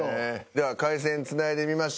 では回線つないでみましょう。